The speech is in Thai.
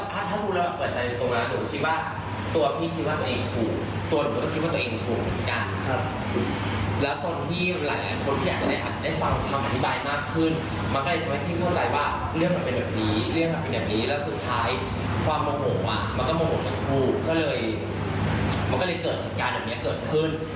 เขาก็เลยเกิดเหตุการณ์อย่างนี้เกิดขึ้น